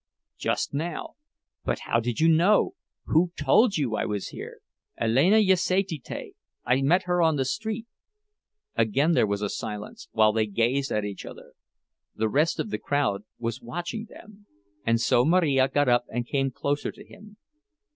"Just now." "But how did you know—who told you I was here?" "Alena Jasaityte. I met her on the street." Again there was a silence, while they gazed at each other. The rest of the crowd was watching them, and so Marija got up and came closer to him.